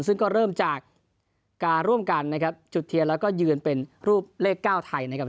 ซึ่งก็เริ่มจากการร่วมกันนะครับจุดเทียนแล้วก็ยืนเป็นรูปเลข๙ไทยนะครับ